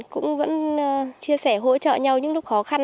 cũng vẫn chia sẻ hỗ trợ nhau những lúc khó khăn